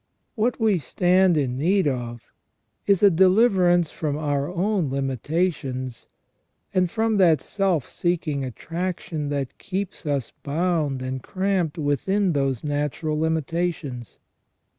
What we stand in need of is a deliverance from our own limitations, and from that self seeking attraction that keeps us bound and cramped within those natural limitations.